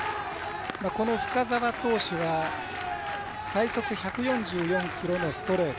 深沢投手は最速１４４キロのストレート。